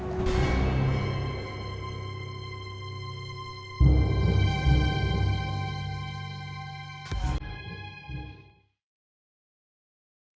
cok pemirsa tua ramah